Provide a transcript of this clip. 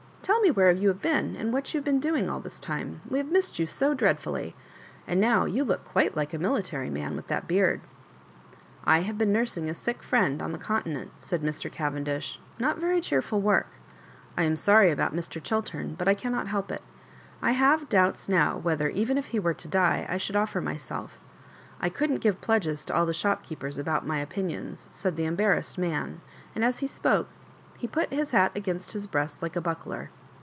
Tell me where you have been, and what you have been doing all this time. We have missed you so dreadfully. And now you look quite like a military man with that beard." ^ I have been nursing a sick friend on the Con tinent," said Mr. Cavendish— not very cheerful work. I am sorry about Mr. Chiltem, but I cannot help it. I have doubts now whether, even if he were to die, I should offer myself, I couldn't give pledges to all the shopkeepers about my opinions," said the embarrassed man ; and as he spoke, he put his hat against his breast like a buckler.